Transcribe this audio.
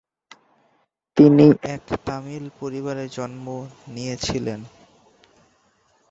তিনি এক তামিল পরিবারে জন্ম নিয়েছিলেন।